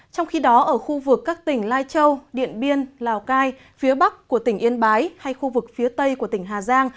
trong khi đó ở khu vực các tỉnh lai châu điện biên lào cai phía bắc của tỉnh yên bái hay khu vực phía tây của tỉnh hà giang